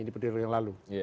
ini perjalanan yang lalu